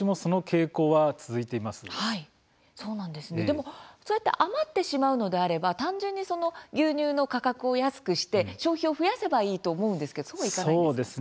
でも、そうやって余ってしまうのであれば単純にその牛乳の価格を安くして消費を増やせばいいと思うんですけどそうはいかないんですか？